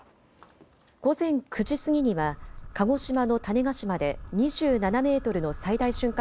午前９時過ぎには鹿児島の種子島で２７メートルの最大瞬間